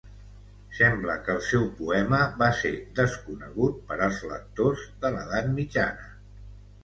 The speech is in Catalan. Sembla que el seu poema va ser desconegut per als lectors de l'edat mitjana.